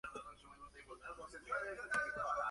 En parejas, los puntos de los Challenger están excluidos.